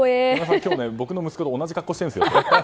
今日の僕の息子と同じ格好してるんです。